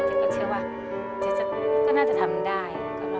แกก็เชื่อว่าก็น่าจะทำได้